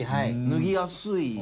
脱ぎやすい。